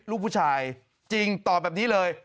ลูกผู้ชายจริงตอบแบบนี้เลย